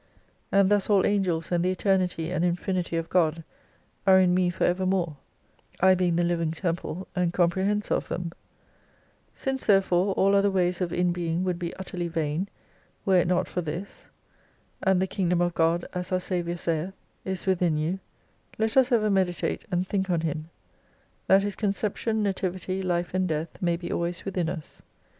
And thus all Angels and the Eternity and Infinity of God are in me for evermore. I being the hving temple and compre hensor of them. Since therefore all other ways of In being would be utterly vain, were it not for this : And the Kingdom of God (as our Saviour saith) is within * This is apparently the author's word, but it may possibly be read as " right." 78 you, let us ever meditate and think on Him, that His conception, nativity, life and death may be always within us.